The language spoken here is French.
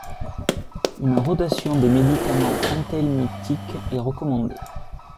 Une rotation des médicaments anthelminthiques est recommandée.